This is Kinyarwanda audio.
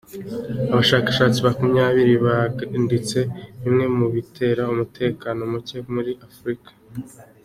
Abashakashatsi makumyabiri banditse bimwe mubitera umutekano muke muri afurika